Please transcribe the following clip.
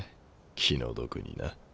気の毒にな。